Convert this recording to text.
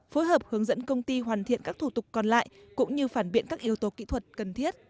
phối hợp hướng dẫn công ty hoàn thiện các thủ tục còn lại cũng như phản biện các yếu tố kỹ thuật cần thiết